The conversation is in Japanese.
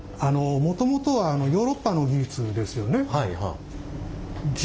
もともとはヨーロッパの技術ですよね。